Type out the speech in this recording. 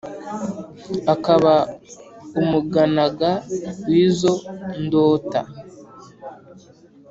akaba umuganaga w' izo ndota.